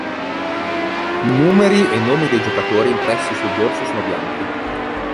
Numeri e nomi dei giocatori impressi sul dorso sono bianchi.